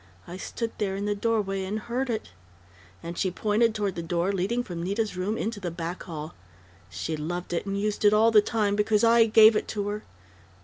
I stood there in the doorway and heard it " and she pointed toward the door leading from Nita's room into the back hall. "She loved it and used it all the time, because I gave it to her....